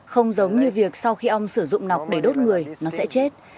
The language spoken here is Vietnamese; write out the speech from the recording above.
không giống như việc sau khi ong sử dụng nọc để đốt người nó sẽ chết